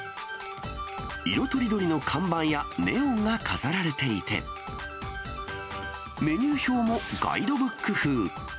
色とりどりの看板やネオンが飾られていて、メニュー表もガイドブック風。